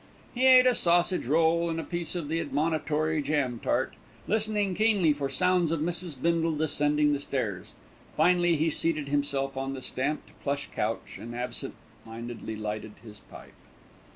He ate a sausage roll and a piece of the admonitory jam tart, listening keenly for sounds of Mrs. Bindle descending the stairs. Finally he seated himself on the stamped plush couch and absent mindedly lighted his pipe.